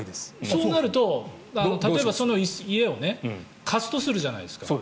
そうなると例えばその家を貸すとするじゃないですか。